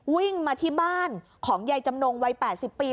วิ่งมาที่บ้านของยายจำนงวัย๘๐ปี